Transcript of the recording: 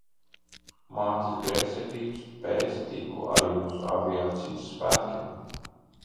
Mātes greizsirdības pēc tiku arī uz aviācijas svētkiem.